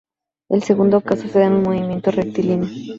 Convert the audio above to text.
El segundo caso se da en un movimiento rectilíneo.